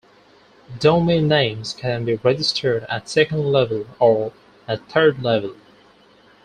Domain names can be registered at second-level or at third-level.